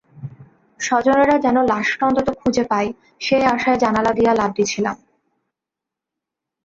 স্বজনেরা যেন লাশটা অন্তত খুঁজে পায় সেই আশায় জানালা দিয়া লাফ দিছিলাম।